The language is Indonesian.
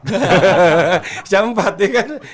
pecah empat ya kan